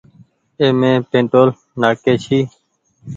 اي مين پيٽول نآ ڪي ڇي۔